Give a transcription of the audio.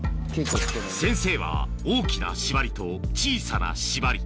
先生は大きな縛りと小さな縛り